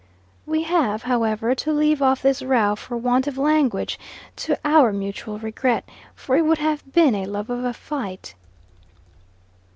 We have, however, to leave off this row for want of language, to our mutual regret, for it would have been a love of a fight.